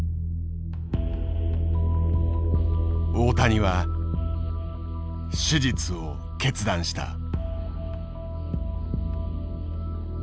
大谷は手術を決断した。